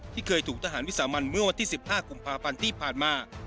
เคยถูกทหารวิสามันเมื่อวันที่๑๕กุมภาพันธ์ที่ผ่านมา